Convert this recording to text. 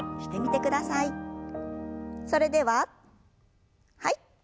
それでははい。